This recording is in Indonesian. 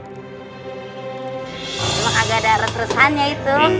cuma agak ada resresannya itu